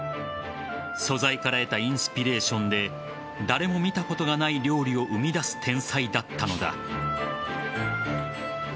素材から得たインスピレーションで誰も見たことがない料理を生み出す天才だったのだ。